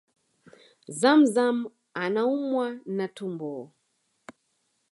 ZamZam anaumwa na tumbo